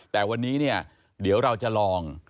แต่วันนี้เนี่ยเดี๋ยวเราจะลอง